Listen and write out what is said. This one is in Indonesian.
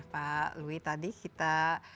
pak louis tadi kita